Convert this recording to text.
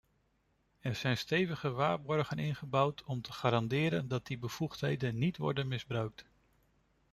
Er zijn stevige waarborgen ingebouwd om te garanderen dat die bevoegdheden niet worden misbruikt.